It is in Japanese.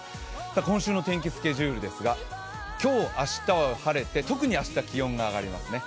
今週の天気スケジュールですが、今日、明日は晴れて特に明日は気温が上がりますね。